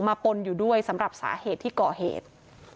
ปนอยู่ด้วยสำหรับสาเหตุที่ก่อเหตุ